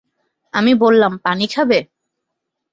আমি বললাম, পানি খাবে?